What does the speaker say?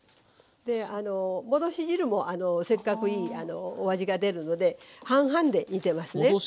で戻し汁もせっかくいいお味が出るので半々で煮てますね。